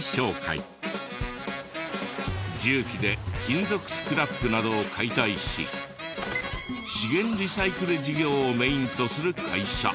重機で金属スクラップなどを解体し資源リサイクル事業をメインとする会社。